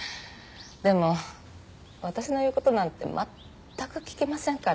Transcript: でも私の言う事なんて全く聞きませんから。